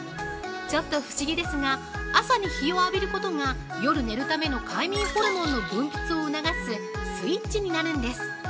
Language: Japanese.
ちょっと不思議ですが、朝に日を浴びることが夜寝るための快眠ホルモンの分泌を促すスイッチになるんです。